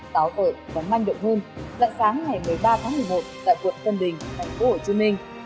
táo tợ bắn manh động hơn dặn sáng ngày một mươi ba tháng một mươi một tại quận tân bình thành phố hồ chí minh